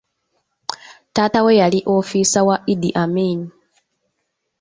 Taata we yali ofiisa wa Idi Amin.